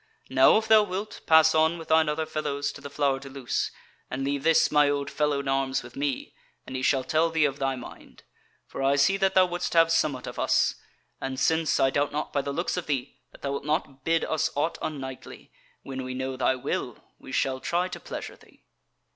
Now if thou wilt, pass on with thine other fellows to the Flower de Luce, and leave this my old fellow in arms with me, and he shall tell me of thy mind; for I see that thou wouldest have somewhat of us; and since, I doubt not by the looks of thee, that thou wilt not bid us aught unknightly, when we know thy will, we shall try to pleasure thee."